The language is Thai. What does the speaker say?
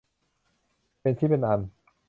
เป็นชิ้นเป็นอัน